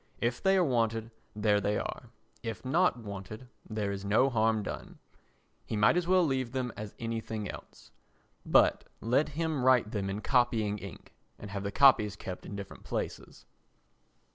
If they are wanted, there they are; if not wanted, there is no harm done. He might as well leave them as anything else. But let him write them in copying ink and have the copies kept in different places.